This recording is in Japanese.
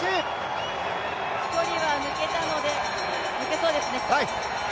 １人は抜けそうですね。